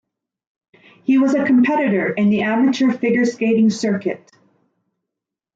He was a competitor in the amateur figure skating circuit.